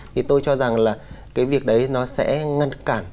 thì tôi cho rằng là cái việc đấy nó sẽ ngăn cản